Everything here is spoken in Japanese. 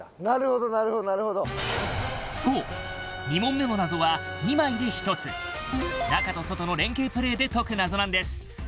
なるほどなるほどなるほどそう２問目の謎は２枚で１つ中と外の連携プレーで解く謎なんです